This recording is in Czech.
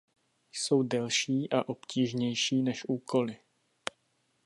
Jsou delší a obtížnější než úkoly.